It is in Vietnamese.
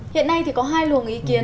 hiện nay thì có hai luồng ý kiến